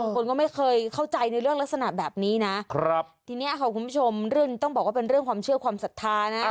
คนก็ไม่เคยเข้าใจในเรื่องลักษณะแบบนี้นะทีนี้ค่ะคุณผู้ชมเรื่องนี้ต้องบอกว่าเป็นเรื่องความเชื่อความศรัทธานะ